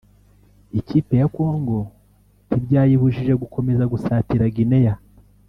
ikipe ya Congo ntibyayibujije gukomeza gusatira Guinea